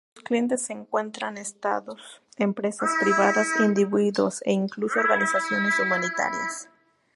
Entre sus clientes se encuentran estados, empresas privadas, individuos e, incluso, organizaciones humanitarias.